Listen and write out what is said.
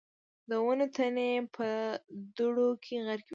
د ونو تنې په دوړو کې غرقي وې.